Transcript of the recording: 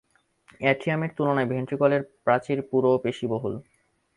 অ্যাট্রিয়ামের তুলনায় ভেন্ট্রিকলের প্রাচীর পুরু ও পেশিবহুল।